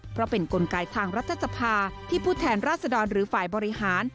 เพราะเป็นกลไกทางรัฐสภาที่ผู้แทนราชดรหรือฝ่ายบริหาร